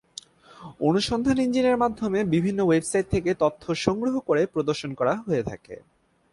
অনুসন্ধান ইঞ্জিনের মাধ্যমে বিভিন্ন ওয়েবসাইট থেকে তথ্য সংগ্রহ করে প্রদর্শন করা হয়ে থাকে।